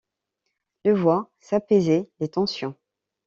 Le voit s'apaiser les tensions.